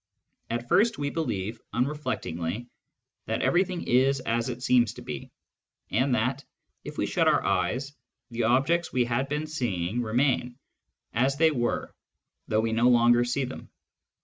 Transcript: At first, we believe unreflectingly that everything is as it seems to be, and that, if we shut our eyes, the objects we had been seeing remain as they were though we no longer see them.